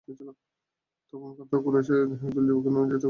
তখন খাত্তাব কুরাইশের একদল যুবককে নিয়োজিত করল।